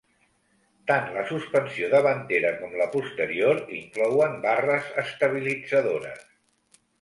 Tant la suspensió davantera com la posterior inclouen barres estabilitzadores.